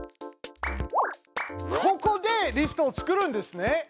ここでリストを作るんですね！